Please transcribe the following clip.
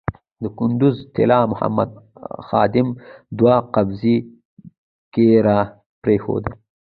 د کندز طلا محمد خادم دوه قبضې ږیره پرېښوده.